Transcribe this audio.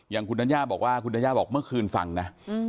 อย่างคุณธัญญาบอกว่าคุณธัญญาบอกเมื่อคืนฟังนะ